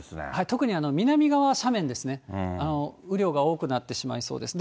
特に南側斜面ですね、雨量が多くなってしまいそうです。